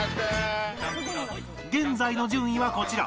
現在の順位はこちら